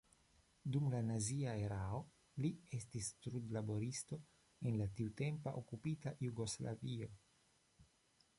Dum la nazia erao li estis trudlaboristo en la tiutempa okupita Jugoslavio.